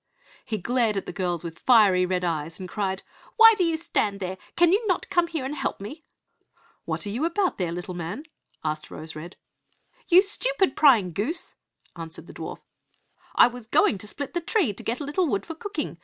He glared at the girls with his fiery red eyes and cried, "Why do you stand there? Can you not come here and help me?" "What are you about there, little man?" asked Rose red. "You stupid, prying goose!" answered the dwarf; "I was going to split the tree to get a little wood for cooking.